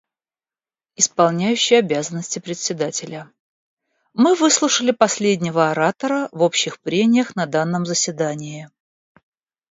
Исполняющий обязанности Председателя: Мы выслушали последнего оратора в общих прениях на данном заседании.